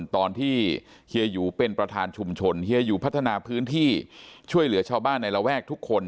ตอนที่เฮียหยูเป็นประธานชุมชนเฮียหยูพัฒนาพื้นที่ช่วยเหลือชาวบ้านในระแวกทุกคน